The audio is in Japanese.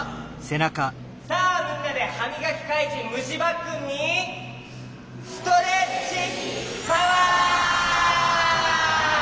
さあみんなではみがきかいじんムシバックンにストレッチパワー！